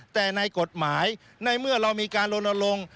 แต่ในกฎหมายในเมื่อเรามีการลนลง